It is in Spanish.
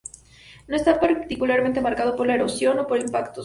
No está particularmente marcado por la erosión o por impactos.